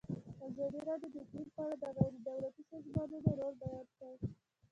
ازادي راډیو د اقلیم په اړه د غیر دولتي سازمانونو رول بیان کړی.